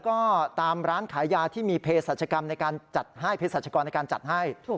ก็ตามร้านขายยาที่มีเพศสัชกรรณ์การจัดให้